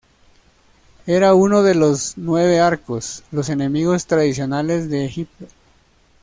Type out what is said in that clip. Era uno de Los Nueve Arcos, los enemigos tradicionales de Egipto.